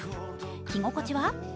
着心地は？